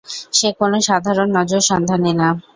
সে কোনো সাধারণ নজর সন্ধানী না।